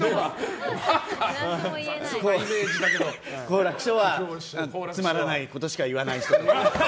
好楽師匠はつまらないことしか言わない人とか。